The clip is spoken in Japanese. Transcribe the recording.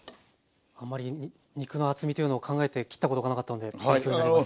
あんまり肉の厚みというのを考えて切ったことがなかったので勉強になります。